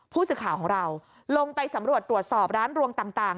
ผู้สื่อข่าวของเราลงไปสำรวจตรวจสอบร้านรวงต่าง